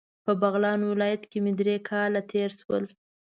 په بغلان ولایت کې مې درې کاله تیر شول.